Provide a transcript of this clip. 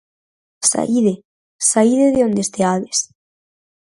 Saíde, saíde de onde esteades.